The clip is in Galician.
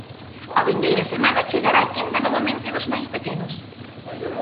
A vindeira semana chegará a quenda novamente dos máis pequenos.